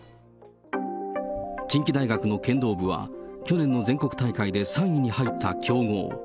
近畿大学の剣道部は、去年の全国大会で３位に入った強豪。